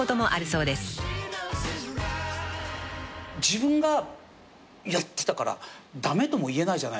自分がやってたから駄目とも言えないじゃないですか。